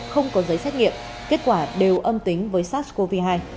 không có giấy xét nghiệm kết quả đều âm tính với sars cov hai